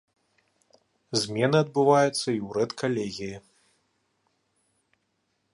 Змены адбываюцца і ў рэдкалегіі.